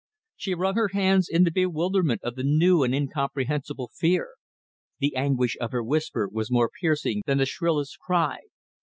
She wrung her hands in the bewilderment of the new and incomprehensible fear. The anguish of her whisper was more piercing than the shrillest cry.